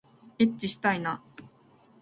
えっちしたいな